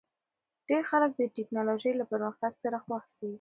ډېر خلک د ټکنالوژۍ له پرمختګ سره خوښ دي.